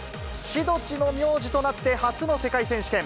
志土地の名字となって初の世界選手権。